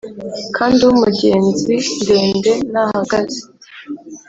kandi ube umugenzi umwe, ndende nahagaze